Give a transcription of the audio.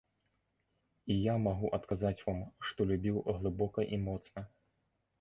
І я магу адказаць вам, што любіў глыбока і моцна.